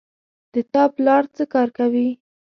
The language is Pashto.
د تا پلار څه کار کوی